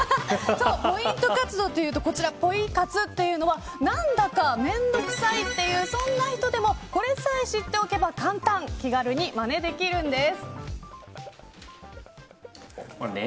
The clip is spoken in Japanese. ポイント活動というと、こちらポイ活というのは何だか面倒くさいというそういう人でもこれさえ知っておけば簡単気軽にまねできるんです。